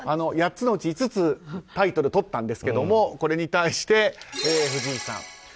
８つのうち５つタイトルをとったんですけどこれに対して、藤井さん。